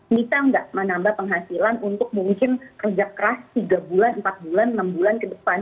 bisa nggak menambah penghasilan untuk mungkin kerja keras tiga bulan empat bulan enam bulan ke depan